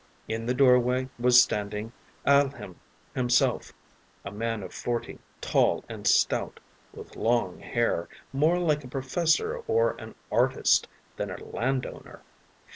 In the doorway was standing Alehin himself, a man of forty, tall and stout, with long hair, more like a professor or an artist than a landowner.